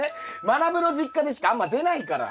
まなぶの実家でしかあんま出ないから。